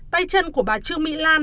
tay chân của bà trường mỹ lan